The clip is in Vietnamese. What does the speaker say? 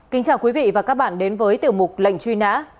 kính chào quý vị và các bạn đến với tiểu mục lệnh truy nã